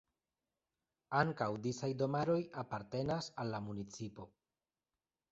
Ankaŭ disaj domaroj apartenas al la municipo.